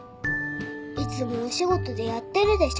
いつもお仕事でやってるでしょ。